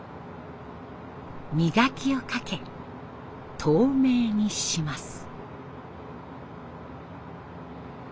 磨きをかけ透明にします。